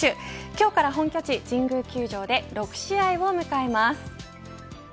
今日から本拠地、神宮球場で６試合を迎えます。